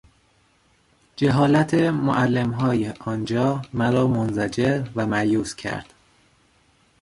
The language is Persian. جهالت معلمهای آنجا مرا منزجر و مایوس کرد.